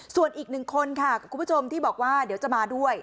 ส่วนอีกหนึ่งคนค่ะคุณผู้ชมที่บอกว่าเดี๋ยวจะมาด้วย